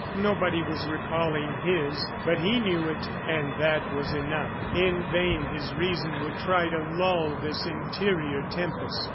Nobody was recalling his, but he knew it, and that was enough. In vain his reason would try to lull this interior tempest.